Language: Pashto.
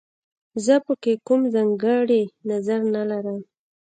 زه په کې کوم ځانګړی نظر نه لرم